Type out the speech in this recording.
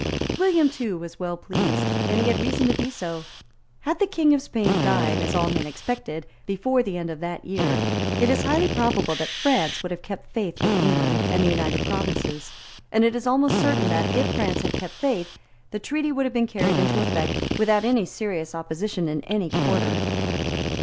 William too was well pleased; and he had reason to be so. Had the King of Spain died, as all men expected, before the end of that year, it is highly probable that France would have kept faith with England and the United Provinces; and it is almost certain that, if France had kept faith, the treaty would have been carried into effect without any serious opposition in any quarter.